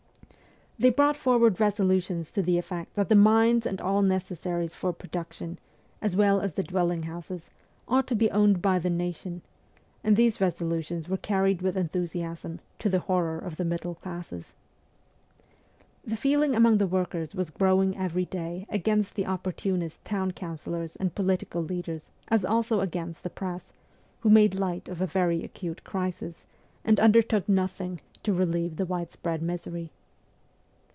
They brought forward resolutions to the effect that the mines and all necessaries for pro duction, as well as the dwelling houses, ought to be owned by the nation ; and these resolutions were carried with enthusiasm, to the horror of the middle classes. The feeling among the workers was growing every day against the opportunist town councillors and political leaders as also against the Press, who made light of a very acute crisis, and undertook nothing to s 2 260 MEMOIRS OF A REVOLUTIONIST relieve the widespread misery.